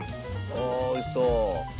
ああおいしそう。